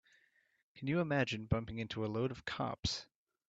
Can you imagine bumping into a load of cops?